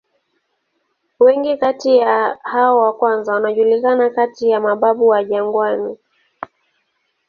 Wengi kati ya hao wa kwanza wanajulikana kati ya "mababu wa jangwani".